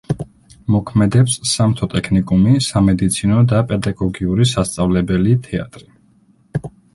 მოქმედებს სამთო ტექნიკუმი, სამედიცინო და პედაგოგიური სასწავლებელი, თეატრი.